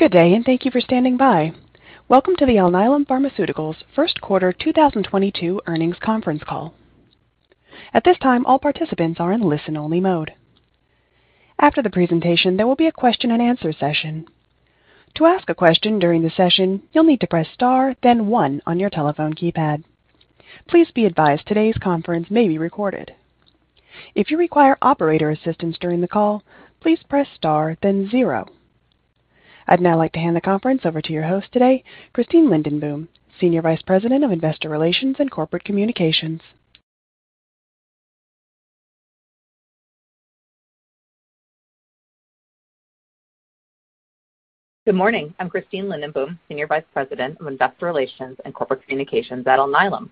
Good day, and thank you for standing by. Welcome to the Alnylam Pharmaceuticals Q1 2022 earnings Conference Call. At this time, all participants are in listen-only mode. After the presentation, there will be a question and answer session. To ask a question during the session, you'll need to press star, then 1 on your telephone keypad. Please be advised today's conference may be recorded. If you require operator assistance during the call, please press star, then 0. I'd now like to hand the conference over to your host today, Christine Lindenboom, Senior Vice President of Investor Relations and Corporate Communications. Good morning. I'm Christine Lindenboom, Senior Vice President of Investor Relations and Corporate Communications at Alnylam.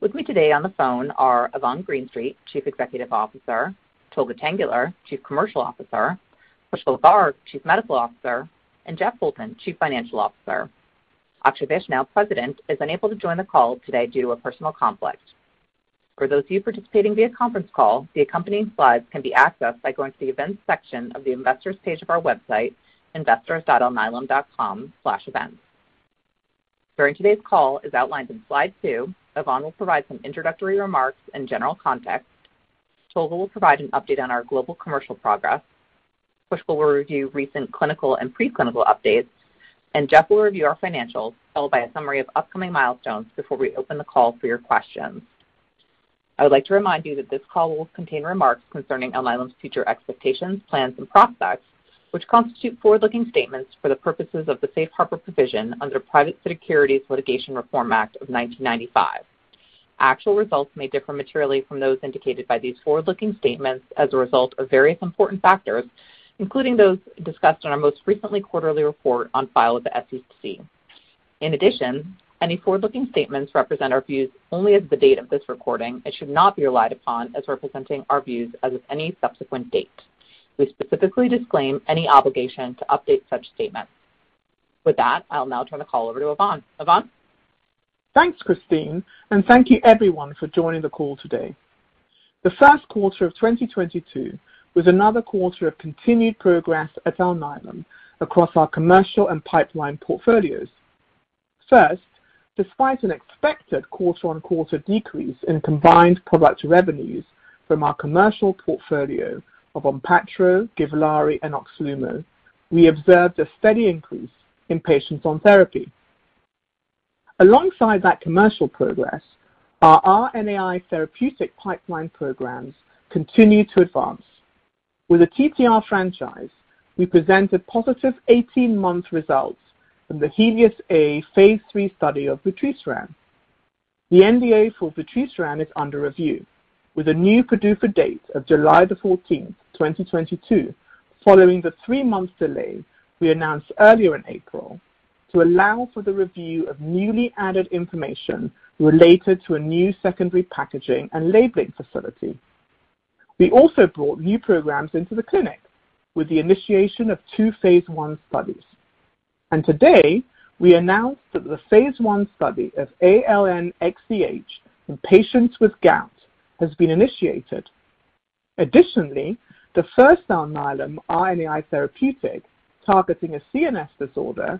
With me today on the phone are Yvonne Greenstreet, Chief Executive Officer, Tolga Tanguler, Chief Commercial Officer, Pushkal Garg, Chief Medical Officer, and Jeff Poulton, Chief Financial Officer. Akshay Vaishnaw, President, is unable to join the call today due to a personal conflict. For those of you participating via Conference Call, the accompanying slides can be accessed by going to the events section of the investors page of our website, investors.alnylam.com/events. During today's call, as outlined in slide two, Yvonne will provide some introductory remarks and general context. Tolga will provide an update on our global commercial progress. Pushkal will review recent clinical and pre-clinical updates, and Jeff will review our financials, followed by a summary of upcoming milestones before we open the call for your questions. I would like to remind you that this call will contain remarks concerning Alnylam's future expectations, plans, and prospects, which constitute forward-looking statements for the purposes of the Safe Harbor provision under Private Securities Litigation Reform Act of 1995. Actual results may differ materially from those indicated by these forward-looking statements as a result of various important factors, including those discussed in our most recent quarterly report on file with the SEC. In addition, any forward-looking statements represent our views only as of the date of this recording. It should not be relied upon as representing our views as of any subsequent date. We specifically disclaim any obligation to update such statements. With that, I'll now turn the call over to Yvonne. Yvonne? Thanks, Christine, and thank you everyone for joining the call today. The Q1 2022 was another quarter of continued progress at Alnylam across our commercial and pipeline portfolios. First, despite an expected quarter-on-quarter decrease in combined product revenues from our commercial portfolio of ONPATTRO, GIVLAARI and OXLUMO, we observed a steady increase in patients on therapy. Alongside that commercial progress, our RNAi therapeutic pipeline programs continue to advance. With the TTR franchise, we presented positive 18-month results from the HELIOS-A phase 3 study of vutrisiran. The NDA for vutrisiran is under review with a new PDUFA date of July 14, 2022, following the 3-month delay we announced earlier in April to allow for the review of newly added information related to a new secondary packaging and labeling facility. We also brought new programs into the clinic with the initiation of two phase 1 studies. Today we announced that the phase 1 study of ALN-XDH in patients with gout has been initiated. Additionally, the first Alnylam RNAi therapeutic targeting a CNS disorder,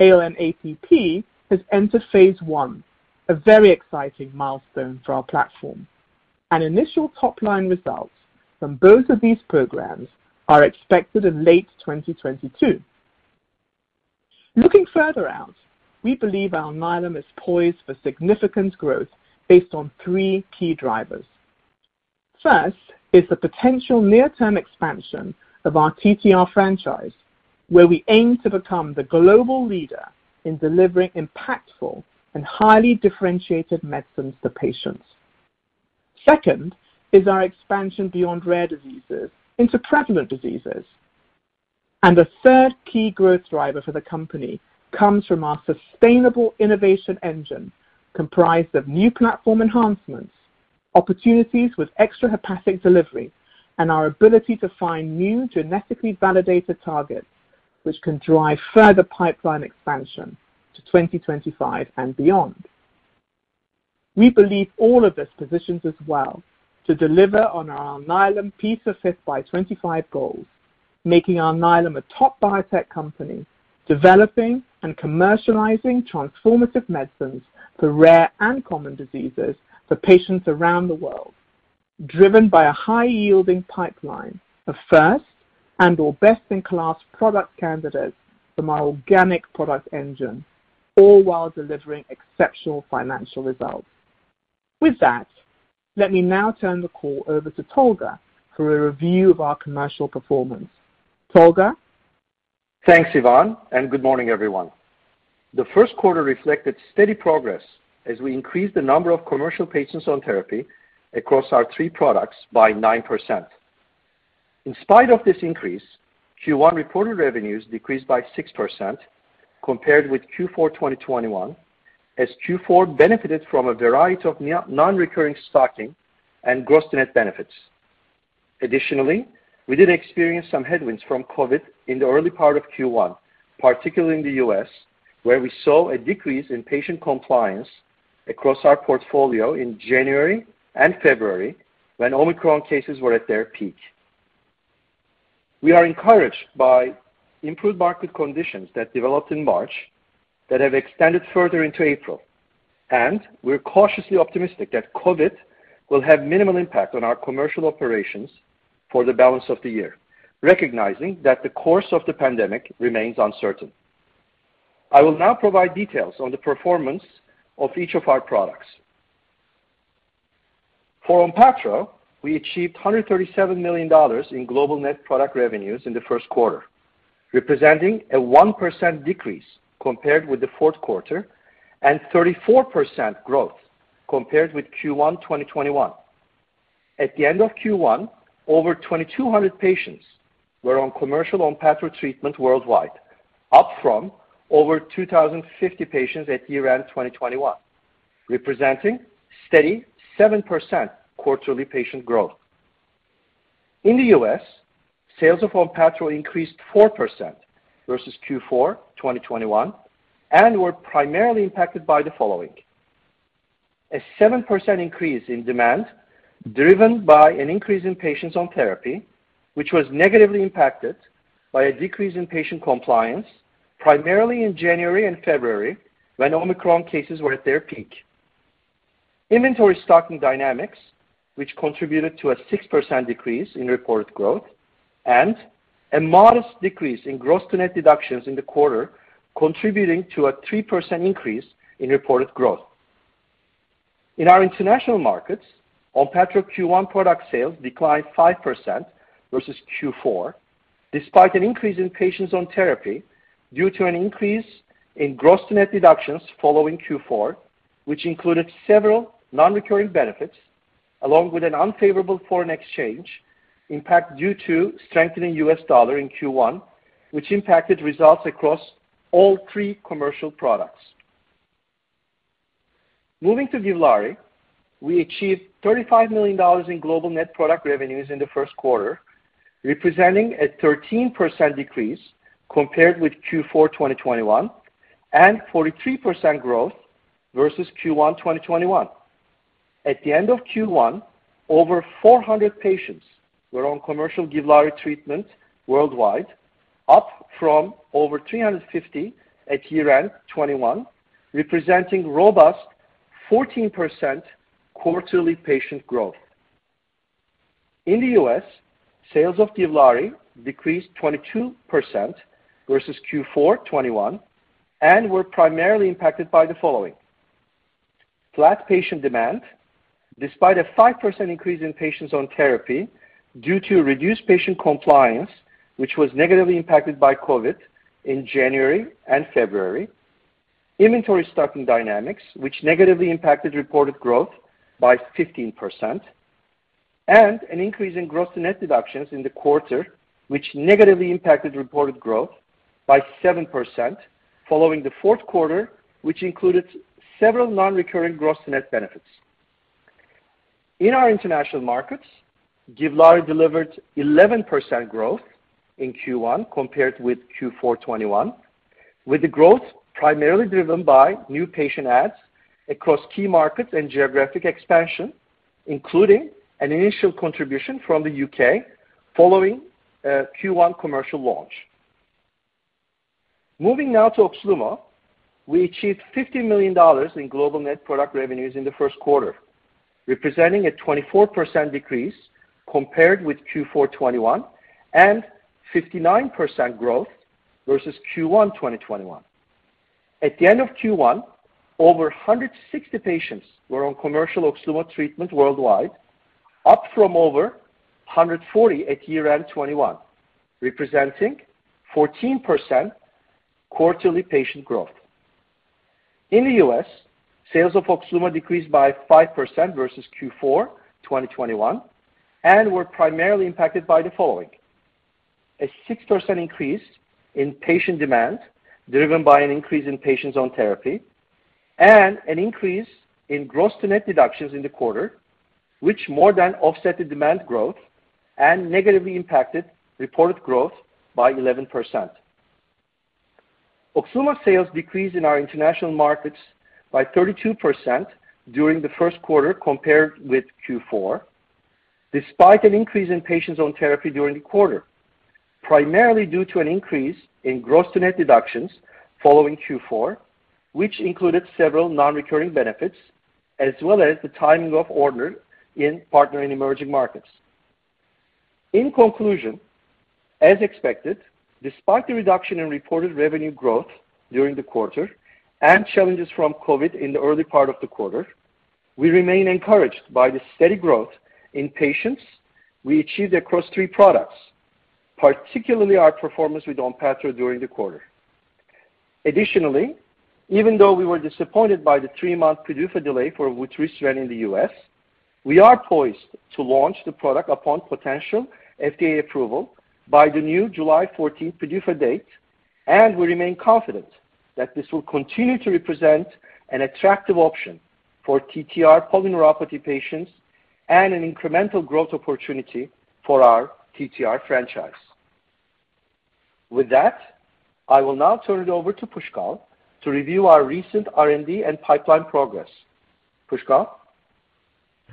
ALN-APP, has entered phase 1, a very exciting milestone for our platform. Initial top-line results from both of these programs are expected in late 2022. Looking further out, we believe Alnylam is poised for significant growth based on three key drivers. First is the potential near-term expansion of our TTR franchise, where we aim to become the global leader in delivering impactful and highly-differentiated medicines to patients. Second is our expansion beyond rare diseases into prevalent diseases. The third key growth driver for the company comes from our sustainable innovation engine comprised of new platform enhancements, opportunities with extrahepatic delivery, and our ability to find new genetically validated targets which can drive further pipeline expansion to 2025 and beyond. We believe all of this positions us well to deliver on our Alnylam P5x25 by 2025 goals, making Alnylam a top biotech company, developing and commercializing transformative medicines for rare and common diseases for patients around the world, driven by a high-yielding pipeline of first and or best-in-class product candidates from our organic product engine, all while delivering exceptional financial results. With that, let me now turn the call over to Tolga for a review of our commercial performance. Tolga? Thanks, Yvonne, and good morning, everyone. The Q1 reflected steady progress as we increased the number of commercial patients on therapy across our three products by 9%. In spite of this increase, Q1 reported revenues decreased by 6% compared with Q4 2021, as Q4 benefited from a variety of non-recurring stocking and gross to net benefits. Additionally, we did experience some headwinds from COVID in the early part of Q1, particularly in the US., where we saw a decrease in patient compliance across our portfolio in January and February, when Omicron cases were at their peak. We are encouraged by improved market conditions that developed in March that have extended further into April. We're cautiously optimistic that COVID will have minimal impact on our commercial operations for the balance of the year, recognizing that the course of the pandemic remains uncertain. I will now provide details on the performance of each of our products. For ONPATTRO, we achieved $137 million in global net product revenues in the Q1, representing a 1% decrease compared with the Q4 and 34% growth compared with Q1 2021. At the end of Q1, over 2,200 patients were on commercial ONPATTRO treatment worldwide, up from over 2,050 patients at year-end 2021, representing steady 7% quarterly patient growth. In the US, sales of ONPATTRO increased 4% versus Q4 2021, and were primarily impacted by the following. A 7% increase in demand, driven by an increase in patients on therapy, which was negatively impacted by a decrease in patient compliance, primarily in January and February when Omicron cases were at their peak. Inventory stocking dynamics, which contributed to a 6% decrease in reported growth, and a modest decrease in gross to net deductions in the quarter, contributing to a 3% increase in reported growth. In our international markets, ONPATTRO Q1 product sales declined 5% versus Q4, despite an increase in patients on therapy due to an increase in gross to net deductions following Q4, which included several non-recurring benefits, along with an unfavorable foreign exchange impact due to strengthening US. dollar in Q1, which impacted results across all three commercial products. Moving to GIVLAARI, we achieved $35 million in global net product revenues in the Q1, representing a 13% decrease compared with Q4 2021, and 43% growth versus Q1 2021. At the end of Q1, over 400 patients were on commercial GIVLAARI treatment worldwide, up from over 350 at year-end 2021, representing robust 14% quarterly patient growth. In the US, sales of GIVLAARI decreased 22% versus Q4 2021, and were primarily impacted by the following. Flat patient demand, despite a 5% increase in patients on therapy due to reduced patient compliance, which was negatively impacted by COVID in January and February. Inventory stocking dynamics, which negatively impacted reported growth by 15%, and an increase in gross to net deductions in the quarter, which negatively impacted reported growth by 7% following the Q4, which included several non-recurring gross to net benefits. In our international markets, GIVLAARI delivered 11% growth in Q1 compared with Q4 2021, with the growth primarily driven by new patient adds across key markets and geographic expansion, including an initial contribution from the UK following Q1 commercial launch. Moving now to OXLUMO, we achieved $50 million in global net product revenues in the Q1, representing a 24% decrease compared with Q4 2021, and 59% growth versus Q1 2021. At the end of Q1, over 160 patients were on commercial OXLUMO treatment worldwide, up from over 140 at year-end 2021, representing 14% quarterly patient growth. In the US, sales of OXLUMO decreased by 5% versus Q4 2021, and were primarily impacted by the following. A 6% increase in patient demand, driven by an increase in patients on therapy, and an increase in gross to net deductions in the quarter, which more than offset the demand growth and negatively impacted reported growth by 11%. OXLUMO sales decreased in our international markets by 32% during the Q1 compared with Q4, despite an increase in patients on therapy during the quarter. Primarily due to an increase in gross to net deductions following Q4, which included several non-recurring benefits, as well as the timing of ordering and partnering in emerging markets. In conclusion, as expected, despite the reduction in reported revenue growth during the quarter and challenges from COVID in the early part of the quarter, we remain encouraged by the steady growth in patients we achieved across three products, particularly our performance with ONPATTRO during the quarter. Additionally, even though we were disappointed by the 3-month PDUFA delay for vutrisiran in the US., we are poised to launch the product upon potential FDA approval by the new July 14 PDUFA date, and we remain confident that this will continue to represent an attractive option for TTR polyneuropathy patients and an incremental growth opportunity for our TTR franchise. With that, I will now turn it over to Pushkal to review our recent R&D and pipeline progress. Pushkal?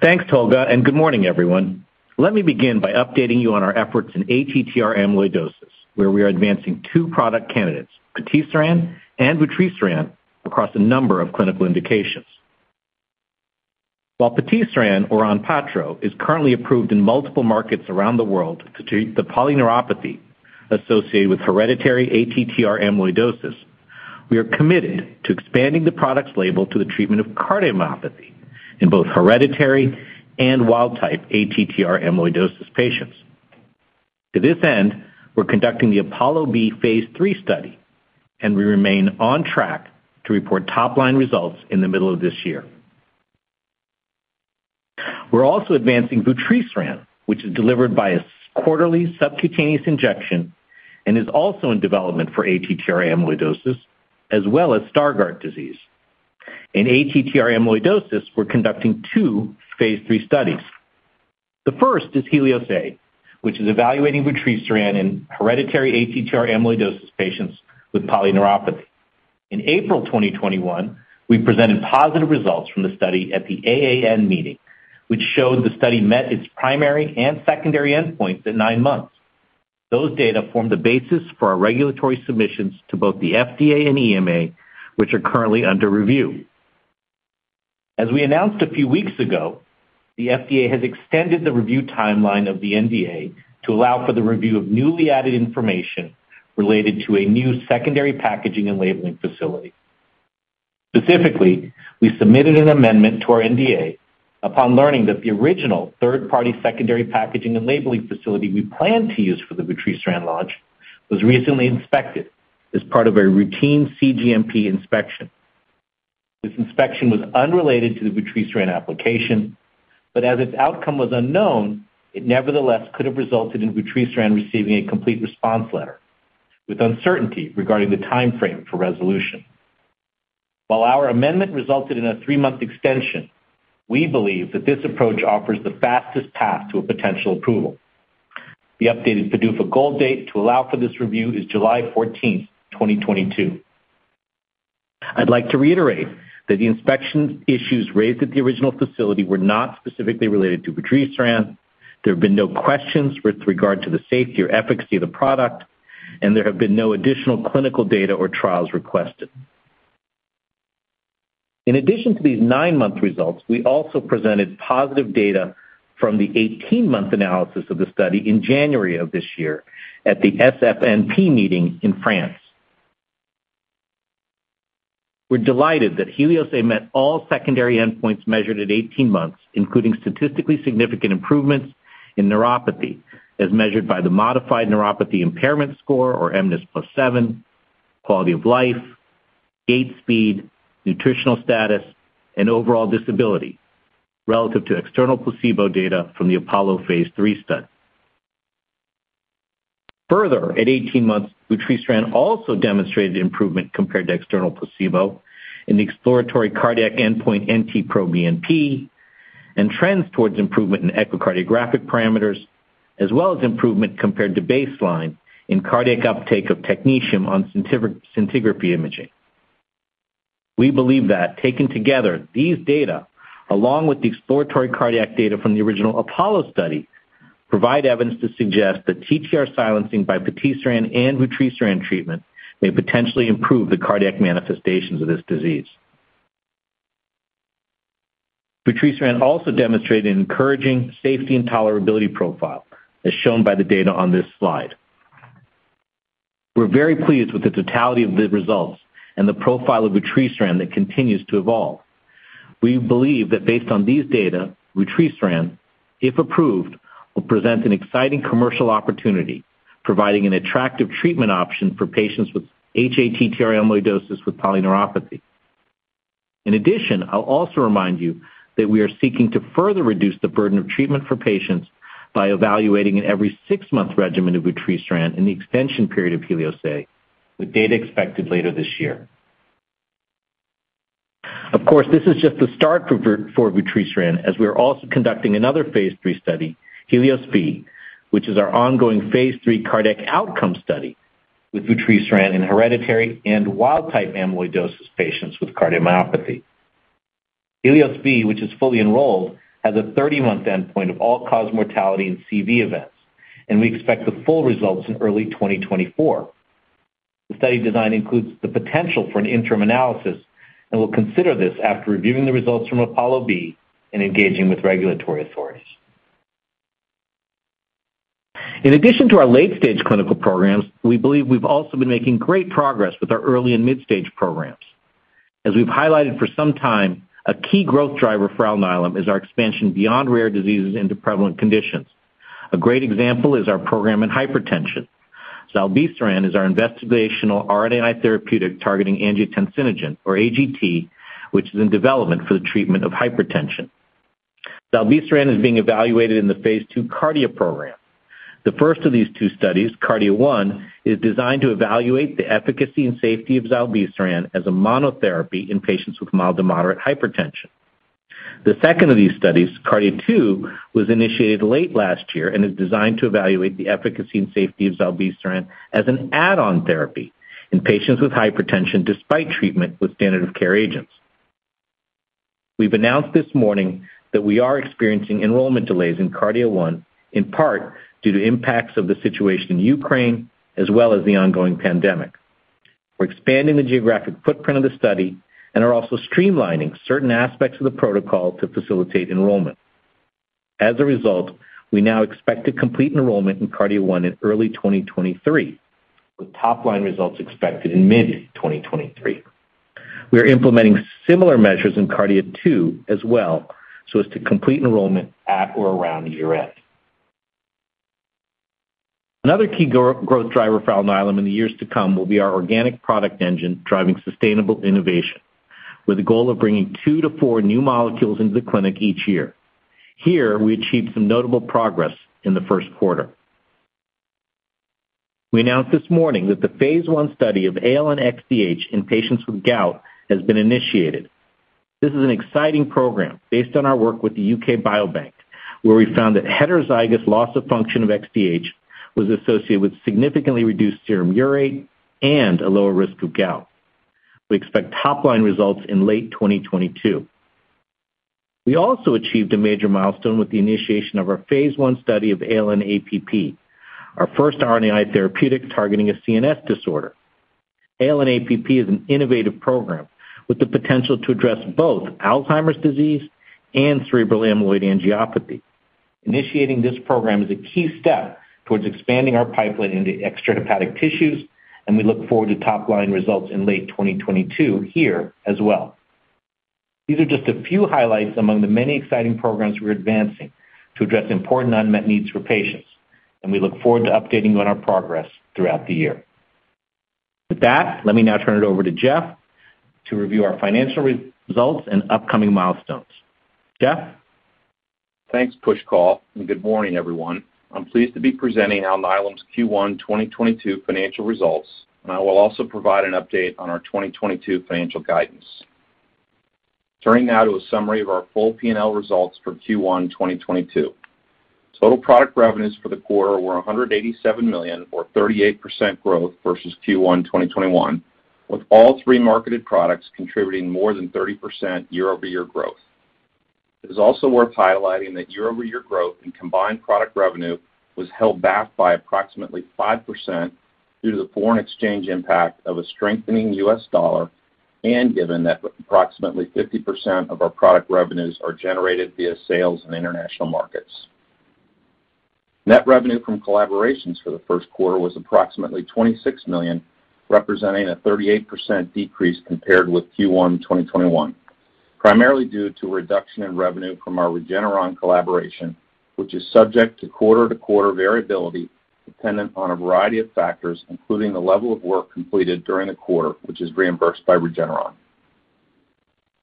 Thanks, Tolga, and good morning, everyone. Let me begin by updating you on our efforts in ATTR amyloidosis, where we are advancing two product candidates, patisiran and vutrisiran, across a number of clinical indications. While patisiran, or ONPATTRO, is currently approved in multiple markets around the world to treat the polyneuropathy associated with hereditary ATTR amyloidosis, we are committed to expanding the product's label to the treatment of cardiomyopathy in both hereditary and wild-type ATTR amyloidosis patients. To this end, we're conducting the APOLLO-B Phase 3 study, and we remain on track to report top-line results in the middle of this year. We're also advancing vutrisiran, which is delivered by a quarterly subcutaneous injection and is also in development for ATTR amyloidosis as well as Stargardt disease. In ATTR amyloidosis, we're conducting two Phase 3 studies. The first is HELIOS-A, which is evaluating vutrisiran in hereditary ATTR amyloidosis patients with polyneuropathy. In April 2021, we presented positive results from the study at the AAN meeting, which showed the study met its primary and secondary endpoints at nine months. Those data formed the basis for our regulatory submissions to both the FDA and EMA, which are currently under review. As we announced a few weeks ago, the FDA has extended the review timeline of the NDA to allow for the review of newly added information related to a new secondary packaging and labeling facility. Specifically, we submitted an amendment to our NDA upon learning that the original third-party secondary packaging and labeling facility we planned to use for the vutrisiran launch was recently inspected as part of a routine cGMP inspection. This inspection was unrelated to the vutrisiran application, but as its outcome was unknown, it nevertheless could have resulted in vutrisiran receiving a complete response letter with uncertainty regarding the timeframe for resolution. While our amendment resulted in a three-month extension, we believe that this approach offers the fastest path to a potential approval. The updated PDUFA goal date to allow for this review is July 14th, 2022. I'd like to reiterate that the inspection issues raised at the original facility were not specifically related to vutrisiran, there have been no questions with regard to the safety or efficacy of the product, and there have been no additional clinical data or trials requested. In addition to these nine-month results, we also presented positive data from the 18-month analysis of the study in January of this year at the SFNP meeting in France. We're delighted that HELIOS-A met all secondary endpoints measured at 18 months, including statistically significant improvements in neuropathy as measured by the modified neuropathy impairment score, or mNIS+7, quality of life, gait speed, nutritional status, and overall disability relative to external placebo data from the APOLLO phase 3 study. Further, at 18 months, vutrisiran also demonstrated improvement compared to external placebo in the exploratory cardiac endpoint NT-proBNP and trends towards improvement in echocardiographic parameters as well as improvement compared to baseline in cardiac uptake of technetium on scintigraphy imaging. We believe that taken together, these data, along with the exploratory cardiac data from the original APOLLO study, provide evidence to suggest that TTR silencing by patisiran and vutrisiran treatment may potentially improve the cardiac manifestations of this disease. Vutrisiran also demonstrated an encouraging safety and tolerability profile as shown by the data on this slide. We're very pleased with the totality of the results and the profile of vutrisiran that continues to evolve. We believe that based on these data, vutrisiran, if approved, will present an exciting commercial opportunity, providing an attractive treatment option for patients with hATTR amyloidosis with polyneuropathy. In addition, I'll also remind you that we are seeking to further reduce the burden of treatment for patients by evaluating an every 6-month regimen of vutrisiran in the extension period of HELIOS-A, with data expected later this year. Of course, this is just the start for vutrisiran, as we are also conducting another phase 3 study, HELIOS-B, which is our ongoing phase 3 cardiac outcome study with vutrisiran in hereditary and wild-type amyloidosis patients with cardiomyopathy. HELIOS-B, which is fully enrolled, has a 30-month endpoint of all-cause mortality and CV events, and we expect the full results in early 2024. The study design includes the potential for an interim analysis, and we'll consider this after reviewing the results from APOLLO-B and engaging with regulatory authorities. In addition to our late-stage clinical programs, we believe we've also been making great progress with our early and mid-stage programs. As we've highlighted for some time, a key growth driver for Alnylam is our expansion beyond rare diseases into prevalent conditions. A great example is our program in hypertension. Zilebesiran is our investigational RNAi therapeutic targeting angiotensinogen, or AGT, which is in development for the treatment of hypertension. Zilebesiran is being evaluated in the phase 2 KARDIA program. The first of these two studies, KARDIA-1, is designed to evaluate the efficacy and safety of zilebesiran as a monotherapy in patients with mild to moderate hypertension. The second of these studies, KARDIA-2, was initiated late last year and is designed to evaluate the efficacy and safety of zilebesiran as an add-on therapy in patients with hypertension despite treatment with standard of care agents. We've announced this morning that we are experiencing enrollment delays in KARDIA-1, in part due to impacts of the situation in Ukraine, as well as the ongoing pandemic. We're expanding the geographic footprint of the study and are also streamlining certain aspects of the protocol to facilitate enrollment. As a result, we now expect to complete enrollment in KARDIA-1 in early 2023, with top-line results expected in mid-2023. We are implementing similar measures in KARDIA-2 as well, so as to complete enrollment at or around year-end. Another key growth driver for Alnylam in the years to come will be our organic product engine driving sustainable innovation, with the goal of bringing two to four new molecules into the clinic each year. Here, we achieved some notable progress in the Q1. We announced this morning that the phase 1 study of ALN-XDH in patients with gout has been initiated. This is an exciting program based on our work with the UK Biobank, where we found that heterozygous loss of function of XDH was associated with significantly reduced serum urate and a lower-risk of gout. We expect top-line results in late 2022. We also achieved a major milestone with the initiation of our phase 1 study of ALN-APP, our first RNAi therapeutic targeting a CNS disorder. ALN-APP is an innovative program with the potential to address both Alzheimer's disease and cerebral amyloid angiopathy. Initiating this program is a key step towards expanding our pipeline into extrahepatic tissues, and we look forward to top-line results in late 2022 here as well. These are just a few highlights among the many exciting programs we're advancing to address important unmet needs for patients, and we look forward to updating you on our progress throughout the year. With that, let me now turn it over to Jeff to review our financial results and upcoming milestones. Jeff? Thanks, Pushkal, and good morning, everyone. I'm pleased to be presenting Alnylam's Q1 2022 financial results, and I will also provide an update on our 2022 financial guidance. Turning now to a summary of our full P&L results for Q1 2022. Total product revenues for the quarter were $187 million or 38% growth versus Q1 2021, with all three marketed products contributing more than 30% year-over-year growth. It is also worth highlighting that year-over-year growth in combined product revenue was held back by approximately 5% due to the foreign exchange impact of a strengthening US dollar and given that approximately 50% of our product revenues are generated via sales in international markets. Net revenue from collaborations for the Q1 was approximately $26 million, representing a 38% decrease compared with Q1 2021, primarily due to a reduction in revenue from our Regeneron collaboration, which is subject to quarter-to-quarter variability dependent on a variety of factors, including the level of work completed during the quarter, which is reimbursed by Regeneron.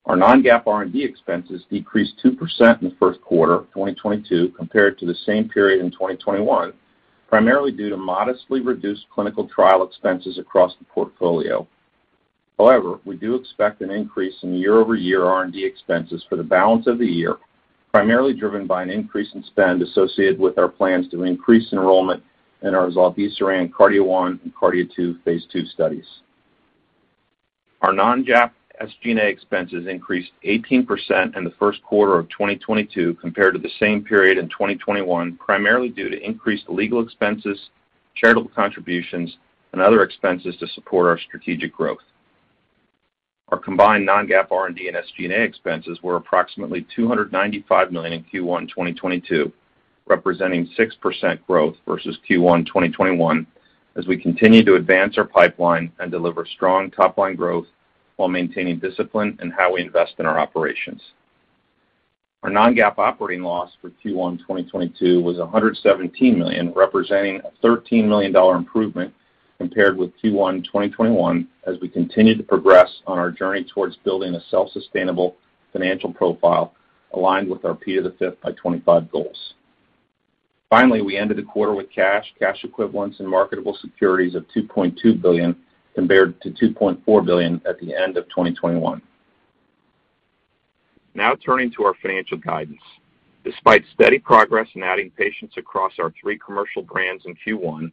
Our non-GAAP R&D expenses decreased 2% in the Q1 2022 compared to the same period in 2021, primarily due to modestly reduced clinical trial expenses across the portfolio. However, we do expect an increase in year-over-year R&D expenses for the balance of the year, primarily driven by an increase in spend associated with our plans to increase enrollment in our zilebesiran KARDIA-1 and KARDIA-2 phase 2 studies. Our non-GAAP SG&A expenses increased 18% in the Q1 2022 compared to the same period in 2021, primarily due to increased legal expenses, charitable contributions, and other expenses to support our strategic growth. Our combined non-GAAP R&D and SG&A expenses were approximately $295 million in Q1 2022, representing 6% growth versus Q1 2021 as we continue to advance our pipeline and deliver strong top-line growth while maintaining discipline in how we invest in our operations. Our non-GAAP operating loss for Q1 2022 was $117 million, representing a $13 million improvement compared with Q1 2021 as we continue to progress on our journey towards building a self-sustainable financial profile aligned with our P5x25 by 2025 goals. Finally, we ended the quarter with cash equivalents and marketable securities of $2.2 billion compared to $2.4 billion at the end of 2021. Now turning to our financial guidance. Despite steady progress in adding patients across our three commercial brands in Q1,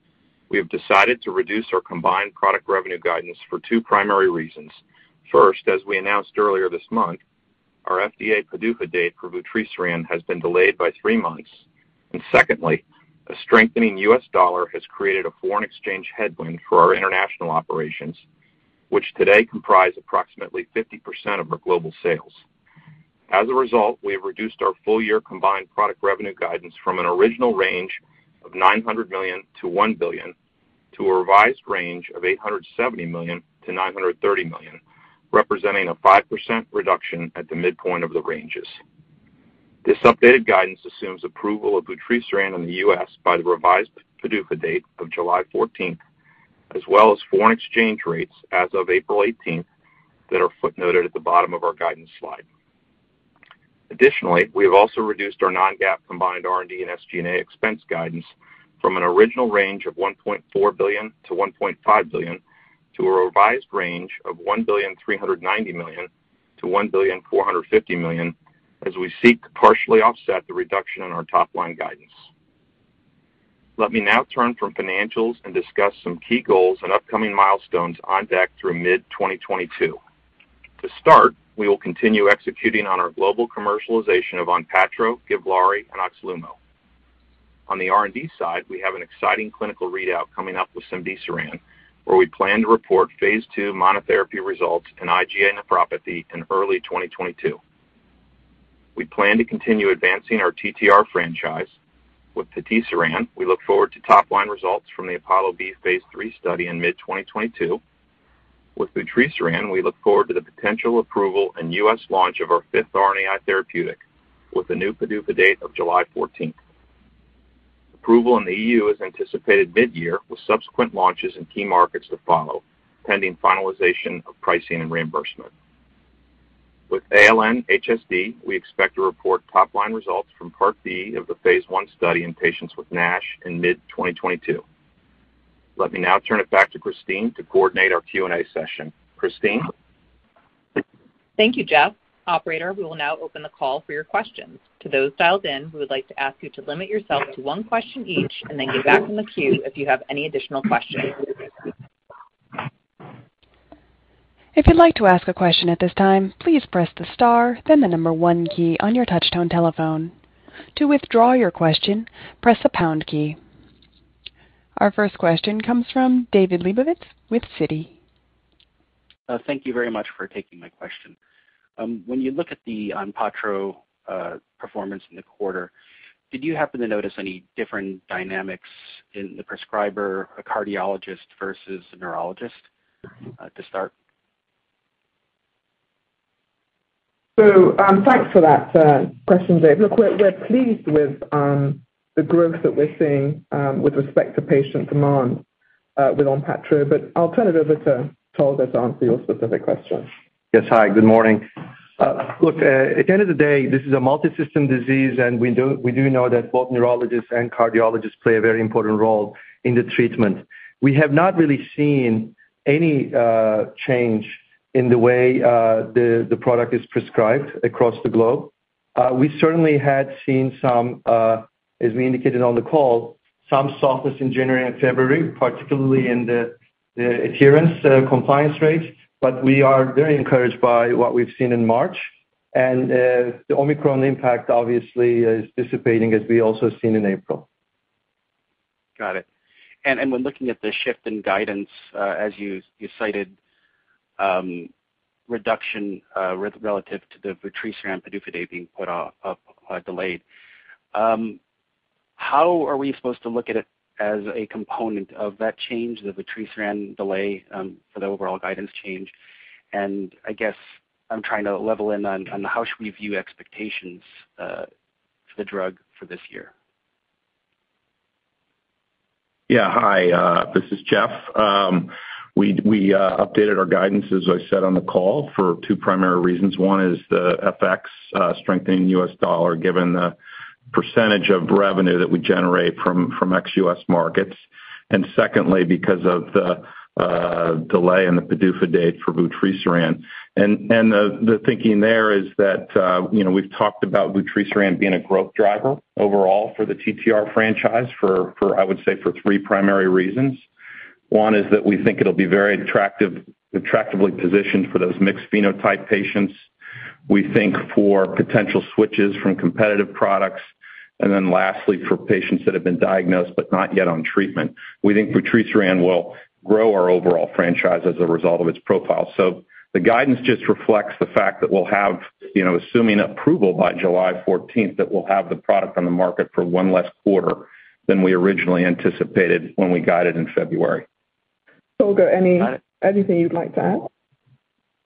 we have decided to reduce our combined product revenue guidance for two primary reasons. First, as we announced earlier this month, our FDA PDUFA date for vutrisiran has been delayed by 3 months. Second, a strengthening US dollar has created a foreign exchange headwind for our international operations, which today comprise approximately 50% of our global sales. As a result, we have reduced our full-year combined product revenue guidance from an original range of $900 million-$1 billion to a revised range of $870 million-$930 million, representing a 5% reduction at the midpoint of the ranges. This updated guidance assumes approval of vutrisiran in the US. by the revised PDUFA date of July fourteenth, as well as foreign exchange rates as of April eighteenth that are footnoted at the bottom of our guidance slide. Additionally, we have also reduced our non-GAAP combined R&D and SG&A expense guidance from an original range of $1.4 billion-$1.5 billion to a revised range of $1.39 billion-$1.45 billion as we seek to partially offset the reduction in our top-line guidance. Let me now turn from financials and discuss some key goals and upcoming milestones on deck through mid-2022. To start, we will continue executing on our global commercialization of ONPATTRO, GIVLAARI, and OXLUMO. On the R&D side, we have an exciting clinical readout coming up with cemdisiran, where we plan to report phase 2 monotherapy results in IgA nephropathy in early 2022. We plan to continue advancing our TTR franchise. With patisiran, we look forward to top-line results from the APOLLO-B phase 3 study in mid-2022. With vutrisiran, we look forward to the potential approval and US. launch of our 5th RNAi therapeutic with the new PDUFA date of July 14. Approval in the EU is anticipated mid-year, with subsequent launches in key markets to follow, pending finalization of pricing and reimbursement. With ALN-HSD, we expect to report top-line results from Part B of the Phase 1 study in patients with NASH in mid-2022. Let me now turn it back to Christine to coordinate our Q&A session. Christine? Thank you, Jeff. Operator, we will now open the call for your questions. To those dialed in, we would like to ask you to limit yourself to one question each and then get back in the queue if you have any additional questions. If you'd like to ask a question at this time, please press the star, then the number one key on your touchtone telephone. To withdraw your question, press the pound key. Our first question comes from David Lebowitz with Citi. Thank you very much for taking my question. When you look at the ONPATTRO performance in the quarter, did you happen to notice any different dynamics in the prescriber, a cardiologist versus a neurologist, to start? Thanks for that question, Dave. Look, we're pleased with the growth that we're seeing with respect to patient demand with ONPATTRO, but I'll turn it over to Tolga to answer your specific question. Yes. Hi, good morning. Look, at the end of the day, this is a multisystem disease, and we know that both neurologists and cardiologists play a very important role in the treatment. We have not really seen any change in the way the product is prescribed across the globe. We certainly had seen some, as we indicated on the call, some softness in January and February, particularly in the adherence compliance rates, but we are very encouraged by what we've seen in March. The Omicron impact obviously is dissipating as we also seen in April. Got it. When looking at the shift in guidance, as you cited, reduction relative to the vutrisiran PDUFA date being pushed out, delayed. How are we supposed to look at it as a component of that change, the vutrisiran delay, for the overall guidance change? I guess I'm trying to zero in on how should we view expectations for the drug for this year. Yeah. Hi, this is Jeff. We updated our guidance, as I said on the call, for two primary reasons. One is the FX, strengthening U.S. dollar given the percentage of revenue that we generate from ex-US markets. Secondly, because of the delay in the PDUFA date for vutrisiran. The thinking there is that, you know, we've talked about vutrisiran being a growth driver overall for the TTR franchise, I would say, for three primary reasons. One is that we think it'll be very attractively positioned for those mixed phenotype patients, we think for potential switches from competitive products, and then lastly, for patients that have been diagnosed but not yet on treatment. We think vutrisiran will grow our overall franchise as a result of its profile. The guidance just reflects the fact that we'll have, you know, assuming approval by July fourteenth, that we'll have the product on the market for one less quarter than we originally anticipated when we guided in February. Tolga, anything you'd like to add?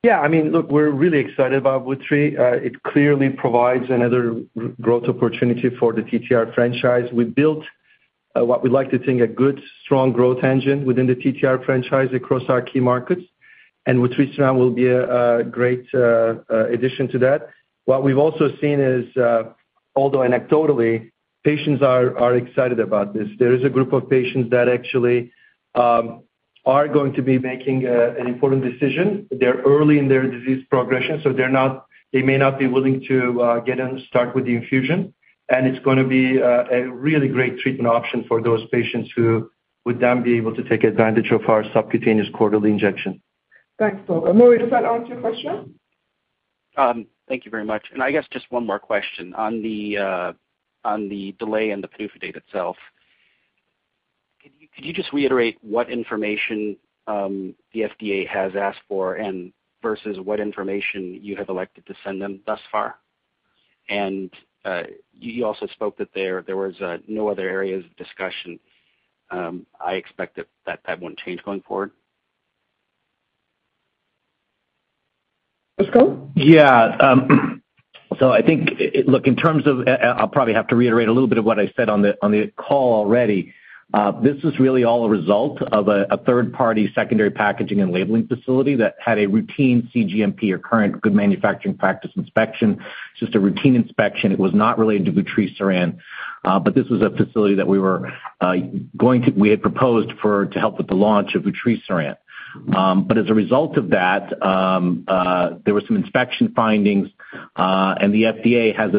Yeah. I mean, look, we're really excited about vutrisiran. It clearly provides another growth opportunity for the TTR franchise. We built what we'd like to think a good, strong growth engine within the TTR franchise across our key markets, and vutrisiran will be a great addition to that. What we've also seen is, although anecdotally, patients are excited about this. There is a group of patients that actually are going to be making an important decision. They're early in their disease progression, so they're not. They may not be willing to get and start with the infusion. It's gonna be a really great treatment option for those patients who would then be able to take advantage of our subcutaneous quarterly injection. Thanks, Tolga. Maury, does that answer your question? Thank you very much. I guess just one more question on the delay in the PDUFA date itself. Could you just reiterate what information the FDA has asked for and versus what information you have elected to send them thus far? You also spoke that there was no other areas of discussion. I expect that won't change going forward. Scott? Yeah. I think, look, in terms of, I'll probably have to reiterate a little bit of what I said on the call already. This is really all a result of a third party secondary packaging and labeling facility that had a routine cGMP or current good manufacturing practice inspection. It's just a routine inspection. It was not related to vutrisiran, but this was a facility that we had proposed for to help with the launch of vutrisiran. As a result of that, there were some inspection findings The FDA has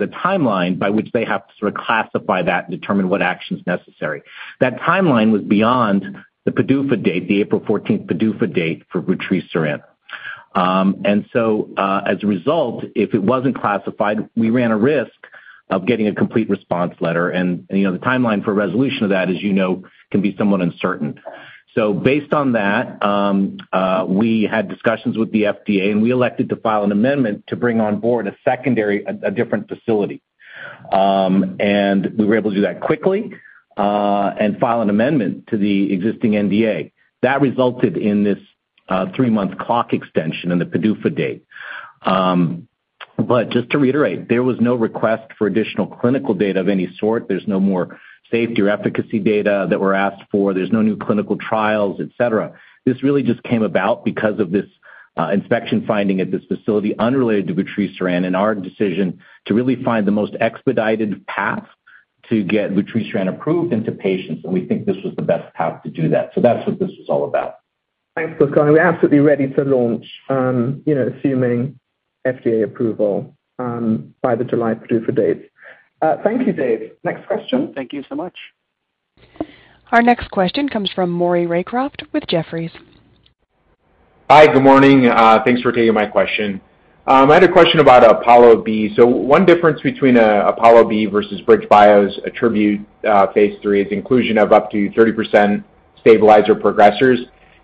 a timeline by which they have to sort of classify that and determine what action is necessary. That timeline was beyond the PDUFA date, the April 14 PDUFA date for vutrisiran. As a result, if it wasn't classified, we ran a risk of getting a complete response letter. You know, the timeline for resolution of that, as you know, can be somewhat uncertain. Based on that, we had discussions with the FDA, and we elected to file an amendment to bring on board a secondary, a different facility. We were able to do that quickly and file an amendment to the existing NDA. That resulted in this three-month clock extension on the PDUFA date. Just to reiterate, there was no request for additional clinical data of any sort. There's no more safety or efficacy data that were asked for. There's no new clinical trials, et cetera. This really just came about because of this, inspection finding at this facility unrelated to vutrisiran and our decision to really find the most expedited path to get vutrisiran approved into patients, and we think this was the best path to do that. That's what this is all about. Thanks, Pushkal. We're absolutely ready to launch, you know, assuming FDA approval, by the July PDUFA date. Thank you, David. Next question. Thank you so much. Our next question comes from Maury Raycroft with Jefferies. Hi, good morning. Thanks for taking my question. I had a question about APOLLO-B. One difference between APOLLO-B versus BridgeBio's ATTRibute-CM phase 3 is inclusion of up to 30% stabilizer progressors.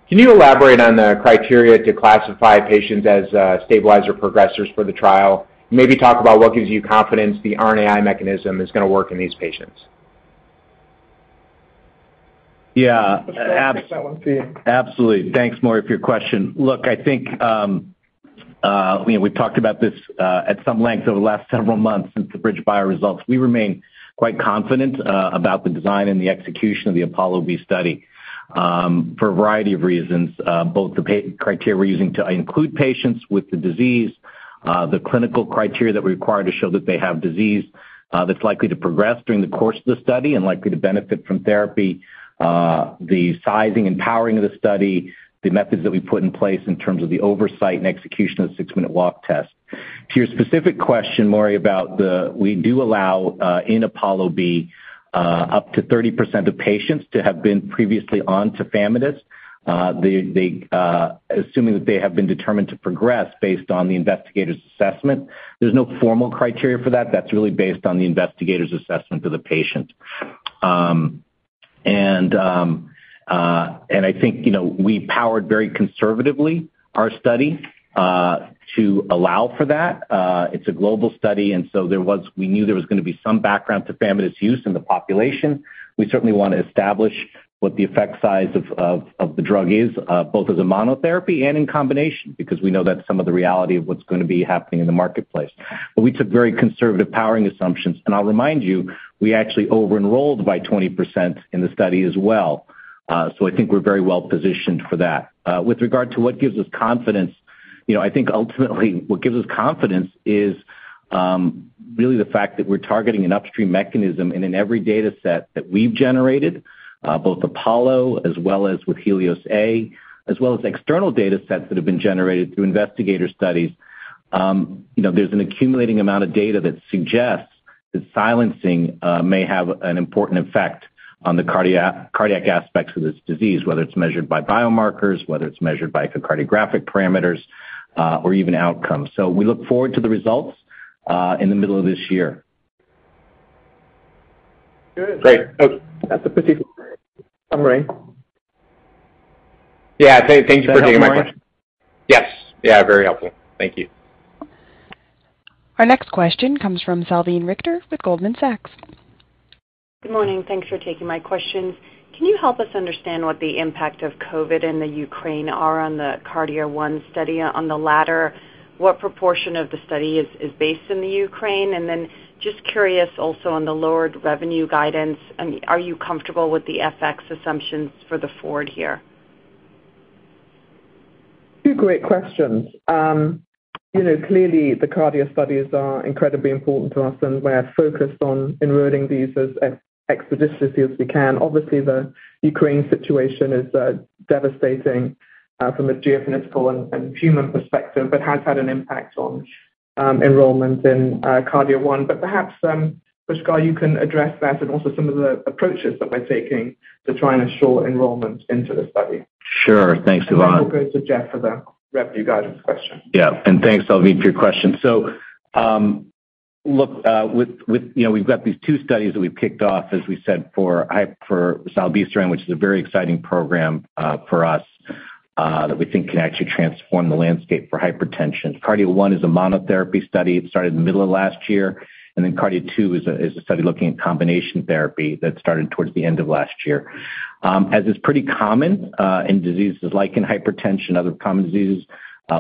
Can you elaborate on the criteria to classify patients as stabilizer progressors for the trial? Maybe talk about what gives you confidence the RNAi mechanism is gonna work in these patients. Yeah. Pushkal can take that one for you. Absolutely. Thanks, Maury, for your question. Look, I think, you know, we've talked about this, at some length over the last several months since the BridgeBio results. We remain quite confident, about the design and the execution of the APOLLO B study, for a variety of reasons. Both the criteria we're using to include patients with the disease, the clinical criteria that we require to show that they have disease, that's likely to progress during the course of the study and likely to benefit from therapy, the sizing and powering of the study, the methods that we put in place in terms of the oversight and execution of the six-minute walk test. To your specific question, Maury, about the. We do allow, in APOLLO B, up to 30% of patients to have been previously on Tafamidis. Assuming that they have been determined to progress based on the investigator's assessment. There's no formal criteria for that. That's really based on the investigator's assessment of the patient. I think, you know, we powered very conservatively our study to allow for that. It's a global study. We knew there was gonna be some background tafamidis use in the population. We certainly wanna establish what the effect size of the drug is, both as a monotherapy and in combination because we know that's some of the reality of what's gonna be happening in the marketplace. We took very conservative powering assumptions. I'll remind you, we actually over-enrolled by 20% in the study as well. I think we're very well-positioned for that. With regard to what gives us confidence, you know, I think ultimately what gives us confidence is really the fact that we're targeting an upstream mechanism. In every data set that we've generated, both APOLLO as well as with HELIOS-A, as well as external data sets that have been generated through investigator studies, you know, there's an accumulating amount of data that suggests that silencing may have an important effect on the cardiac aspects of this disease, whether it's measured by biomarkers, whether it's measured by echocardiographic parameters, or even outcomes. We look forward to the results in the middle of this year. Good. Great. That's a pretty summary. Yeah. Thank you for taking my question. Is that helpful, Maury? Yes. Yeah, very helpful. Thank you. Our next question comes from Salveen Richter with Goldman Sachs. Good morning. Thanks for taking my questions. Can you help us understand what the impact of COVID and the Ukraine are on the KARDIA-1 study? On the latter, what proportion of the study is based in the Ukraine? Just curious also on the lowered revenue guidance, are you comfortable with the FX assumptions for the forward here? Two great questions. You know, clearly the KARDIA studies are incredibly important to us, and we're focused on enrolling these as expeditiously as we can. Obviously, the Ukraine situation is devastating from a geopolitical and human perspective, but has had an impact on enrollment in KARDIA-1. Perhaps, Pushkal, you can address that and also some of the approaches that we're taking to try and ensure enrollment into the study. Sure. Thanks, Salveen. We'll go to Jeff for the revenue guidance question. Yeah. Thanks, Salveen, for your question. You know, we've got these two studies that we've kicked off, as we said, for zilebesiran, which is a very exciting program for us that we think can actually transform the landscape for hypertension. KARDIA-1 is a monotherapy study. It started in the middle of last year. KARDIA-2 is a study looking at combination therapy that started towards the end of last year. As is pretty common in diseases like in hypertension, other common diseases,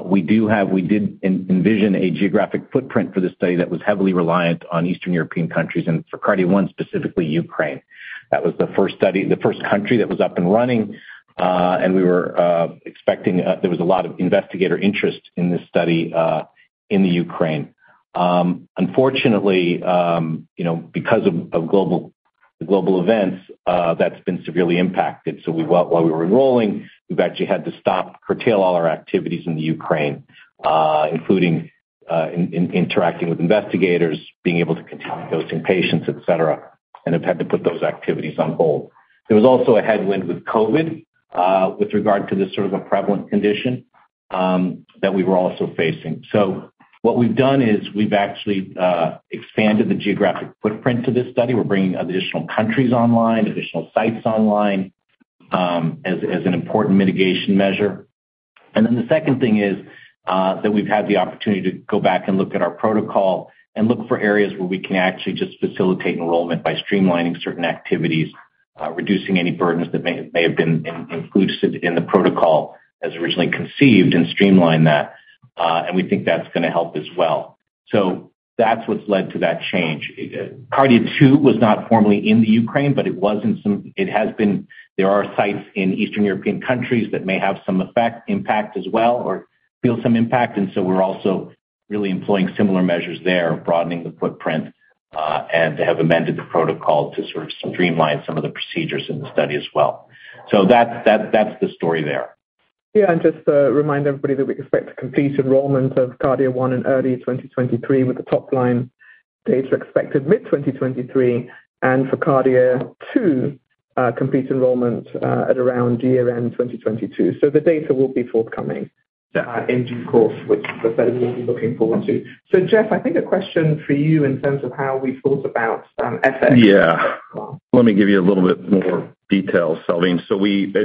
we did envision a geographic footprint for this study that was heavily reliant on Eastern European countries, and for KARDIA-1, specifically Ukraine. That was the first study, the first country that was up and running, and we were expecting, there was a lot of investigator interest in this study, in Ukraine. Unfortunately, you know, because of the global events, that's been severely impacted. While we were enrolling, we've actually had to stop, curtail all our activities in Ukraine, including interacting with investigators, being able to continue dosing patients, et cetera, and have had to put those activities on hold. There was also a headwind with COVID, with regard to the sort of a prevalent condition, that we were also facing. What we've done is we've actually expanded the geographic footprint to this study. We're bringing additional countries online, additional sites online, as an important mitigation measure. The second thing is that we've had the opportunity to go back and look at our protocol and look for areas where we can actually just facilitate enrollment by streamlining certain activities, reducing any burdens that may have been inclusive in the protocol as originally conceived and streamline that. We think that's gonna help as well. That's what's led to that change. KARDIA-2 was not formally in Ukraine, but there are sites in Eastern European countries that may have some impact as well or feel some impact, and we're also really employing similar measures there, broadening the footprint, and have amended the protocol to sort of streamline some of the procedures in the study as well. That's the story there. Just to remind everybody that we expect to complete enrollment of KARDIA-1 in early 2023, with the top-line data expected mid-2023. For KARDIA-2, complete enrollment at around year-end 2022. The data will be forthcoming. Yeah. in due course, which the Fed will be looking forward to. Jeff, I think a question for you in terms of how we thought about, FX as well. Yeah. Let me give you a little bit more detail, Salveen.